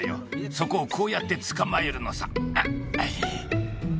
そこをこうやって捕まえるのさ